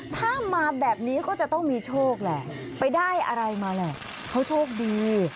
ถ้ามาแบบนี้ก็จะต้องมีโชคแหละไปได้อะไรมาแหละเขาโชคดี